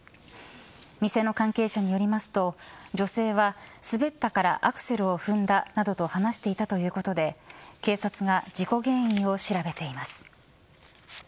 店の関係者によりますと女性は滑ったからアクセルを踏んだなどと話していたということで警察が事故原因を調べています。